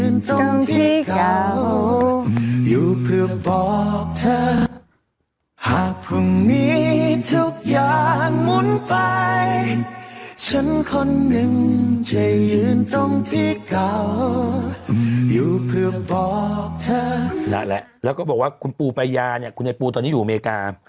นั่นแหละแล้วก็บอกว่าคุณปูปายาเนี่ยคุณไอปูตอนนี้อยู่อเมริกา